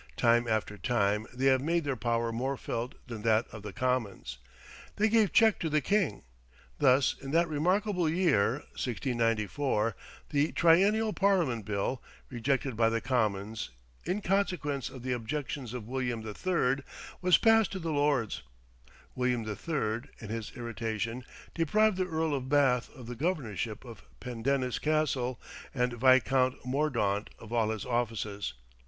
Time after time they have made their power more felt than that of the Commons. They gave check to the king. Thus, in that remarkable year, 1694, the Triennial Parliament Bill, rejected by the Commons, in consequence of the objections of William III., was passed by the Lords. William III., in his irritation, deprived the Earl of Bath of the governorship of Pendennis Castle, and Viscount Mordaunt of all his offices.